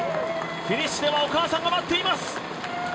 フィニッシュではお母さんが待っています。